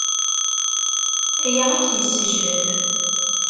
Aya ad k-yessejhed.